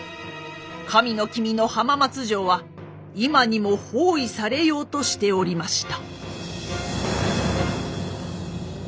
神の君の浜松城は今にも包囲されようとしておりました。